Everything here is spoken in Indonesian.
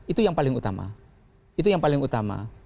itu yang paling utama itu yang paling utama